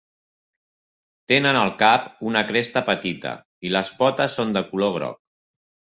Tenen al cap una cresta petita, i les potes són de color groc.